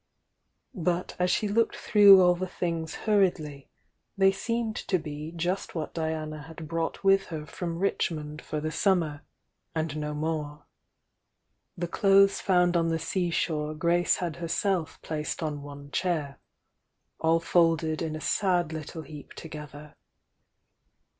But as she looked through all the things hurriedly, they seemed to be just what Diana had brought with her from Richmond for the summer, 7i THE YOUNG DIANA I and no more. The clothes found on the aea ahore Grace had herself placed on one chair, all folded in a sad little heap together.